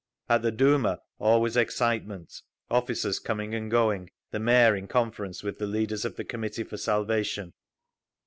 _ At the Duma all was excitement, officers coming and going, the Mayor in conference with the leaders of the Committee for Salvation.